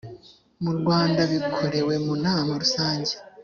mu rwanda bikorewe mu nama rusange